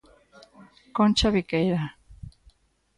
Concha Viqueira.